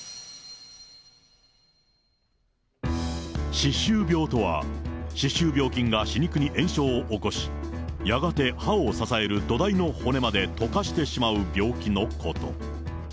歯周病とは、歯周病菌が歯肉に炎症を起こし、やがて歯を支える土台の骨まで溶かしてしまう病気のこと。